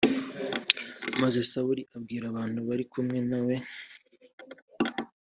Maze Sawuli abwira abantu bari kumwe na we